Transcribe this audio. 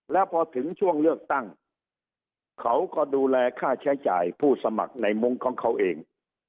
แล้วพอถึงช่วงเลือกตั้งเขาก็ดูแลค่าใช้จ่ายผู้สมัครในมุ้งของเขาเอง